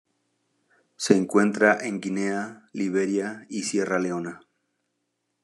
Se encuentra en Guinea, Liberia y Sierra Leona.